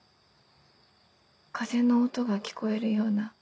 風の音が聞こえるような